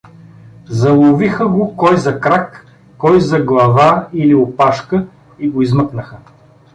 Заловиха го кой за крак, кой за глава или опашка и го измъкнаха.